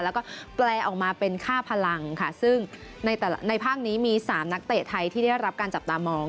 แล้วก็แปลออกมาเป็นค่าพลังค่ะซึ่งในแต่ละในภาคนี้มี๓นักเตะไทยที่ได้รับการจับตามอง